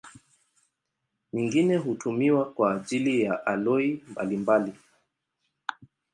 Nyingine hutumiwa kwa ajili ya aloi mbalimbali.